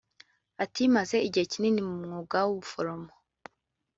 Ati "Maze igihe kinini mu mwuga w’ubuforomo